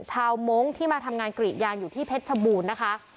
มงค์ที่มาทำงานกรีดยางอยู่ที่เพชรชบูรณ์นะคะ